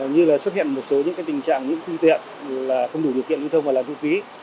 như là xuất hiện một số những tình trạng những phương tiện không đủ điều kiện lưu thông hoặc là thu phí